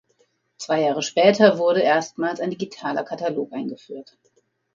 Zwei Jahre später wurde erstmals ein digitaler Katalog eingeführt.